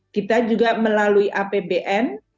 kita juga melalui apbn